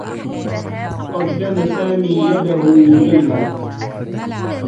قدّم سامي يده لليلى.